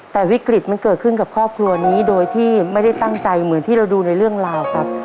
แต่วิกฤตมันเกิดขึ้นกับครอบครัวนี้โดยที่ไม่ได้ตั้งใจเหมือนที่เราดูในเรื่องราวครับ